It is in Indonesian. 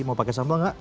mau pakai sambel nggak